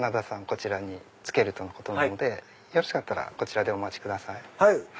こちらに着けるとのことなのでよろしかったらこちらでお待ちください。